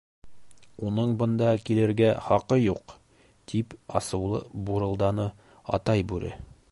— Уның бында килергә хаҡы юҡ, — тип асыулы бурылданы Атай Бүре.